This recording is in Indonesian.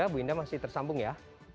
bu indah masih tersambung ya